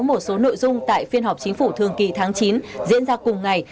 một số nội dung tại phiên họp chính phủ thường kỳ tháng chín diễn ra cùng ngày